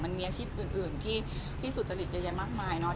มันมีอาชีพอื่นที่สุทธย์ระดิษฐ์เยอะมากมายเนอะ